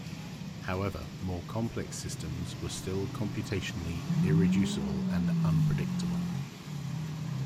However, more complex systems were still computationally irreducible and unpredictable.